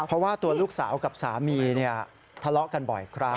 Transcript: เพราะว่าตัวลูกสาวกับสามีทะเลาะกันบ่อยครั้ง